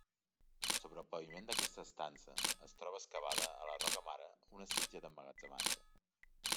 Sobre el paviment d’aquesta estança es troba excavada a la roca mare una sitja d’emmagatzematge.